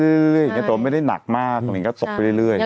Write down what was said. แต่ว่าไม่ได้หนักมากตรงนี้ก็ตกไปเรื่อย